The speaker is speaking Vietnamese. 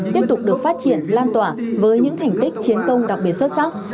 tiếp tục được phát triển lan tỏa với những thành tích chiến công đặc biệt xuất sắc